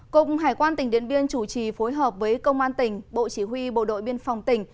cục hải quan tỉnh điện biên chủ trì phối hợp với công an tỉnh bộ chỉ huy bộ đội biên phòng tỉnh